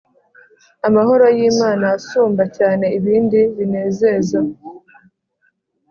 Amahoro y’ Imana asumba cyane ibindi binezeza